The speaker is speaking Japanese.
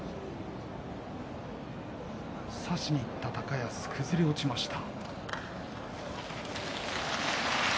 差しにいった高安崩れ落ちました。